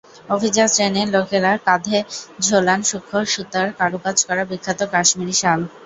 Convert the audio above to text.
অভিজাত শ্রেণির লোকেরা কাঁধে ঝোলান সূক্ষ্ম সুতার কারুকাজ করা বিখ্যাত কাশ্মিরী শাল।